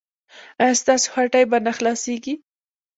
ایا ستاسو هټۍ به نه خلاصیږي؟